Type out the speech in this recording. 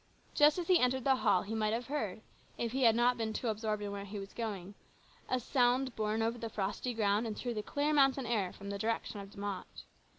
Just as he entered the hall he might have heard, if he had not been too absorbed in where he was going, a sound borne over the frosty ground and through the clear mountain air from the direction of De Mott.